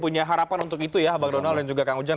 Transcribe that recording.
punya harapan untuk itu ya bang donald dan juga kang ujang